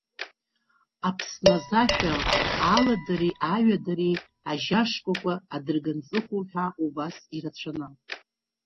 Аԥсны азы ашәа, Аладареи аҩадареи, Ажьа шкәакәа, Адырганҵыхәа уҳәа убас ирацәаны.